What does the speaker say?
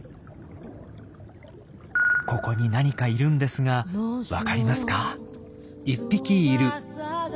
ここに何かいるんですがわかりますか？